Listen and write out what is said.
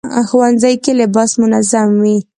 ښوونځی کې لباس منظم وي